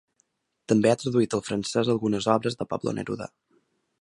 També ha traduït al francès algunes obres de Pablo Neruda.